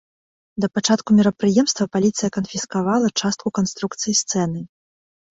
Да пачатку мерапрыемства паліцыя канфіскавала частку канструкцыі сцэны.